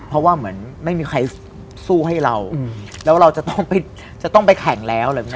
เพราะว่าเหมือนไม่มีใครสู้ให้เราแล้วเราจะต้องไปแข่งแล้วอะไรแบบนี้